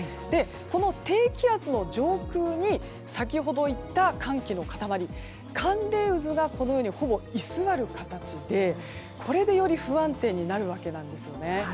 この低気圧の上空に先ほどいった寒気の塊寒冷渦が、ほぼ居座る形でこれで、より不安定になるわけなんですね。